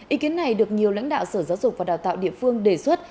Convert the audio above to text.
ý kiến này được nhiều lãnh đạo sở giáo dục và đào tạo địa phương đề xuất